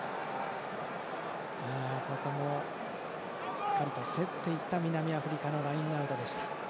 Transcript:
しっかりと競っていった南アフリカのラインアウト。